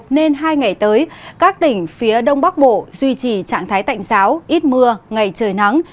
nên hai ngày tới các tỉnh phía đông bắc bộ duy trì trạng thái tạnh giáo ít mưa ngày trời nắng